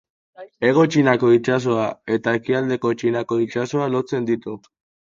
Hego Txinako itsasoa eta Ekialdeko Txinako itsasoa lotzen ditu.